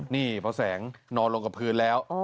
นี่พอแสงนอนลงกับพื้นแล้ว